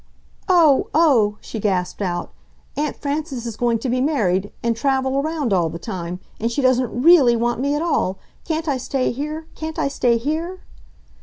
"Oh! Oh!" she gasped out. "Aunt Frances is going to be married. And travel around all the time! And she doesn't REALLY want me at all! Can't I stay here? Can't I stay here?"